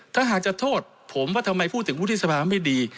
ถ้าหากจะโทษผมว่าทำไมพูดถึงวุฒิสภาไม่ดี